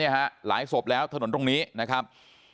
หลายศพแล้วถนนตรงนี้นะครับ